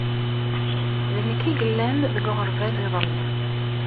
D nekk i yellan deg uɣerbaz, iḍelli.